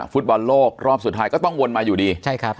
ฟุตบอลโลกรอบสุดท้ายก็ต้องวนมาอยู่ดีใช่ครับ